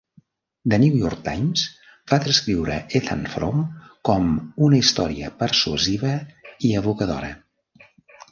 "The New York Times" va descriure "Ethan Frome" com "una història persuasiva i evocadora".